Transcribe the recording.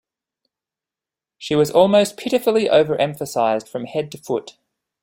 She was almost pitifully overemphasized from head to foot.